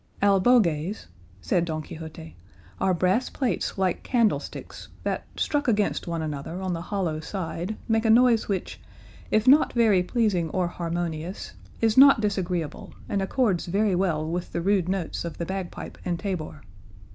"Albogues," said Don Quixote, "are brass plates like candlesticks that struck against one another on the hollow side make a noise which, if not very pleasing or harmonious, is not disagreeable and accords very well with the rude notes of the bagpipe and tabor.